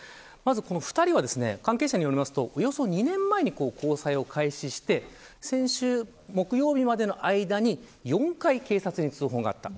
２人は関係者によりますとおよそ２年前に交際を開始して先週木曜日までの間に４回警察に通報があった。